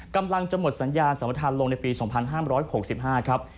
กำลังจะหมดสัญญาสัมประธานลงในปี๒๕๖๕ครับ